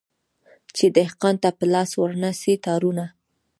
چي دهقان ته په لاس ورنه سي تارونه